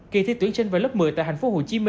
kỳ thi tuyển sinh vào lớp một mươi tại tp hcm